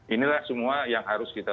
inilah semua yang harus kita